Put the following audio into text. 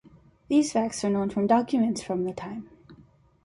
These facts are known from documents from the time.